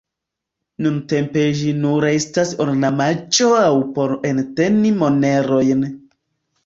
Nuntempe ĝi nur estas ornamaĵo aŭ por enteni monerojn.